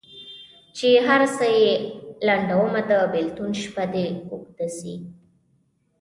چي هر څو یې لنډومه د بېلتون شپه دي اوږده سي